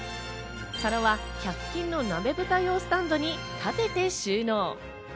皿は１００均の鍋ぶた用スタンドに立てて収納。